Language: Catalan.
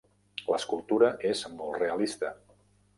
L’escultura és molt realista.